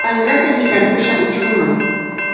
Qanrata hitarpushaq uchkuman.